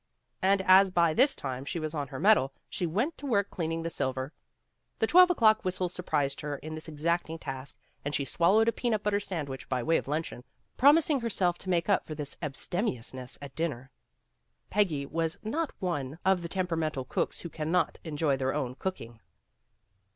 And as by this time she was on her mettle, she went to work cleaning the silver. The twelve o'clock whistles surprised her in this exacting task, and she swallowed a peanut butter sandwich by way of luncheon, promising herself to make up for this abstemiousness at dinner, Peggy was not one of the tempera 190 PEGGY RAYMOND'S WAY mental cooks who cannot enjoy their own cook ing.